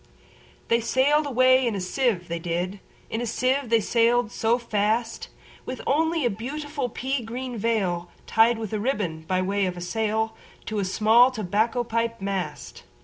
They sail'd away in a sieve, they did, In a sieve they sail'd so fast, With only a beautiful pea green veilTied with a ribbon, by way of a sail, To a small tobacco pipe mast.